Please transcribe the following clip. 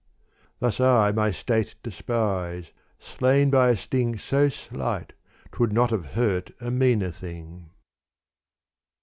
Thus I my state despise, slain by a sting So slight 't would not have hurt a meaner thing.